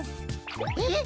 えっ？